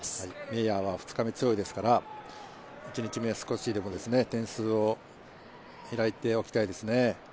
メイヤーは２日目強いですから、１日目、少しでも点数を開いておきたいですね。